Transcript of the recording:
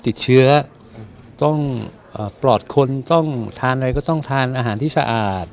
ติดเชื้อต้องปลอดคนต้องทานอะไรก็ต้องทานอาหารที่สะอาด